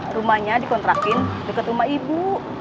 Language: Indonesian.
rumahnya dikontrakin dekat rumah ibu